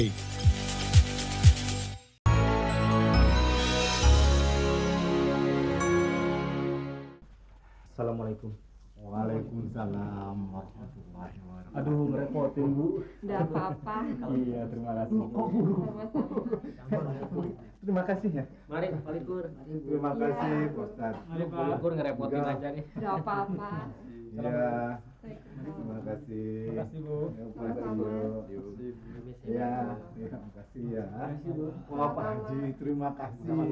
ya terima kasih ya